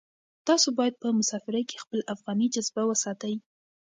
تاسو باید په مسافرۍ کې خپله افغاني جذبه وساتئ.